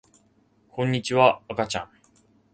こんにちは、あかちゃん